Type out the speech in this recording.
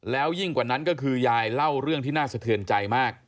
แล้วยิ่งกว่านั้นก็คือยายเล่าเรื่องที่น่าสะเทือนใจมาก